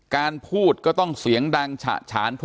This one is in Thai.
การแก้เคล็ดบางอย่างแค่นั้นเอง